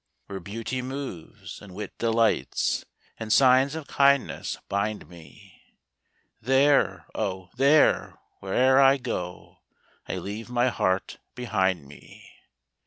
Where beauty moves, and wit delights And signs of kindness bind me, There, oh! there, where'er I go I leave my heart behind me.